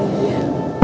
aku bisa mencoba